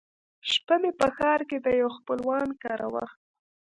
شپه مې په ښار کښې د يوه خپلوان کره وه.